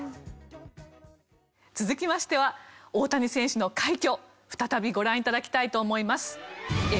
続きましては大谷選手の快挙再びご覧頂きたいと思います。